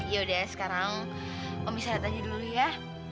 ya udah sekarang om istirahat aja dulu ya